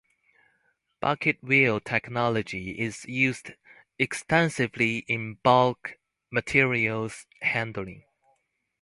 Bucket wheel technology is used extensively in bulk materials handling.